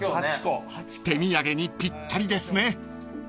［手土産にぴったりですね］